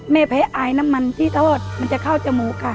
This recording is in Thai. แพ้อายน้ำมันที่ทอดมันจะเข้าจมูกค่ะ